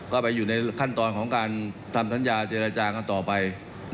ก็ไปอยู่ในขั้นตอนของการทำสัญญาเจรจากันต่อไป